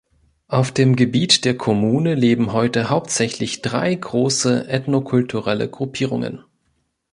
Auf dem Gebiet der Kommune leben heute hauptsächlich drei große ethno-kulturelle Gruppierungen.